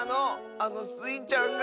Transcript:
あのスイちゃんが！